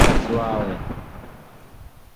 Numusatsi wawe